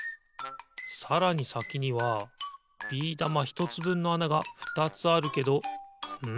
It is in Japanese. さらにさきにはビー玉ひとつぶんのあながふたつあるけどん？